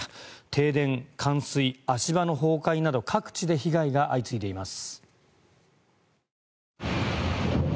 停電、冠水、足場の崩壊など各地で被害が相次いでいます。